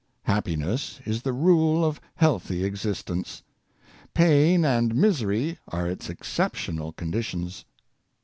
Happiness is the rule of healthy existence; pain and misery are its exceptional conditions.